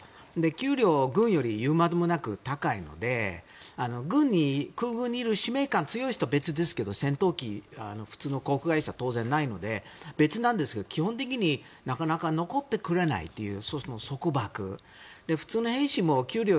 給料、軍より言うまでもなく高いので軍に空軍に入れる使命感が強い人は別ですが戦闘機は航空会社には当然ないので別なんですけど基本的になかなか残ってくれないという。